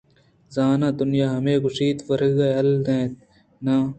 زاناں دنیا مئیے گوٛشت ءِ ورگ ءَ یلہ دنت؟ ناں